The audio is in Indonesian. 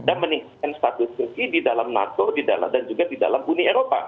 dan meningkatkan status turki di dalam nato di dalam dan juga di dalam uni eropa